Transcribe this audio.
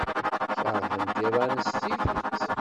Keṛhent iḍan s tidet.